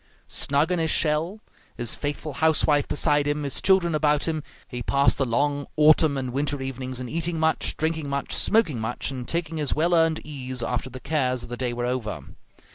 Snug in his shell, his faithful housewife beside him, his children about him, he passed the long autumn and winter evenings in eating much, drinking much, smoking much, and taking his well earned ease after the cares of the day were over.